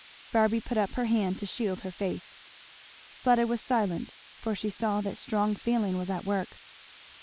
Barby put up her hand to shield her face. Fleda was silent for she saw that strong feeling was at work.